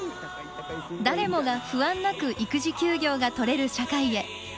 誰もが不安なく育児休業が取れる社会へ。